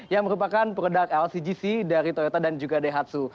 yang merupakan produk lcgc dari toyota dan juga daihatsu